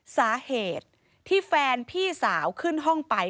สาเหตุที่แฟนพี่สาวขึ้นห้องไป